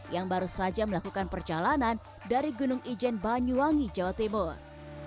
yang baru saja melakukan perjalanan dari gunung ijen banyuwangi jawa timur